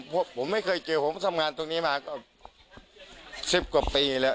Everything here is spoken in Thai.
เพราะผมไม่เคยเจอผมทำงานตรงนี้มาก็๑๐กว่าปีแล้ว